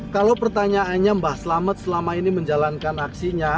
kalau pertanyaannya mbah selamet selama ini menjalankan aksinya